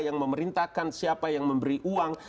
yang memerintahkan siapa yang memberi uang